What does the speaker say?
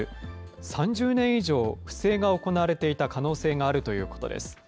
３０年以上不正が行われていた可能性があるということです。